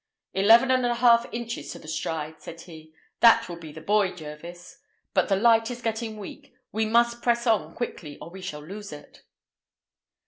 "Eleven and a half inches to the stride," said he. "That will be the boy, Jervis. But the light is getting weak. We must press on quickly, or we shall lose it."